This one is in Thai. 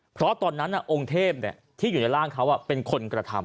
เพราะตอนนั้นองค์เทพที่อยู่ในร่างเขาเป็นคนกระทำ